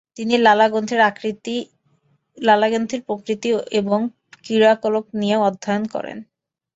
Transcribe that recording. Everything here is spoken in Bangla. তিনি লালা গ্রন্থির প্রকৃতি এবং ক্রিয়াকলাপ নিয়ে অধ্যয়ন করেন।